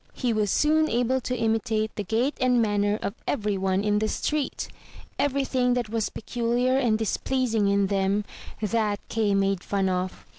He was soon able to imitate the gait and manner of every one in the street. Everything that was peculiar and dis pleasing in them, — that Kay made fun of.